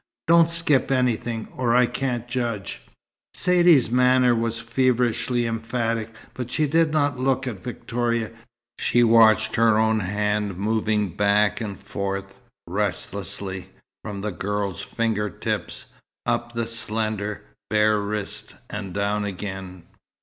Don't skip anything, or I can't judge." Saidee's manner was feverishly emphatic, but she did not look at Victoria. She watched her own hand moving back and forth, restlessly, from the girl's finger tips, up the slender, bare wrist, and down again.